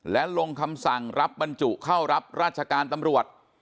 และลงคำสั่งรับบรรจุเข้ารับราชการตำรวจ